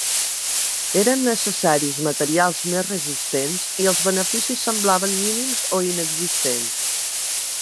Eren necessaris materials més resistents i els beneficis semblaven mínims o inexistents.